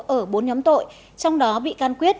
ở bốn nhóm tội trong đó bị can quyết